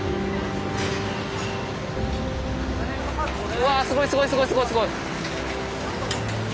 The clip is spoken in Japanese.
うわすごいすごいすごいすごい。